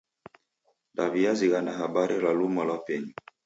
Daw'iazighana habari ra luma lwa penyu.